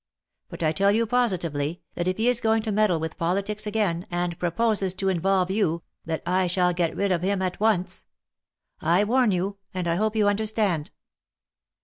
But I tell you positively that if he is going to meddle with politics again, and proposes to involve you, that I shall get rid of him at once. I warn you, and I hope you understand